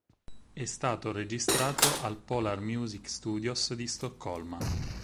È stato registrato al Polar Music Studios di Stoccolma.